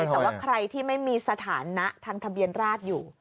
แต่ว่าใครที่ไม่มีสถานะทางทะเบียนราชอยู่